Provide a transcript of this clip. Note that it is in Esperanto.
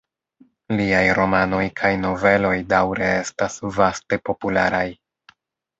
Liaj romanoj kaj noveloj daŭre estas vaste popularaj.